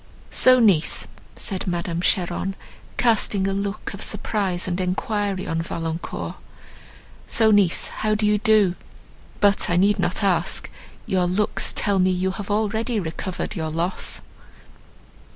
"So, niece!" said Madame Cheron, casting a look of surprise and enquiry on Valancourt, "so niece, how do you do? But I need not ask, your looks tell me you have already recovered your loss."